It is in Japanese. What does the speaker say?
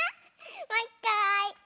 もういっかい！